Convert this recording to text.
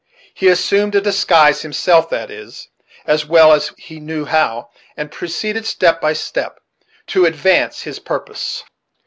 He assumed a disguise himself that is, as well as he knew how, and proceeded step by step to advance his purpose.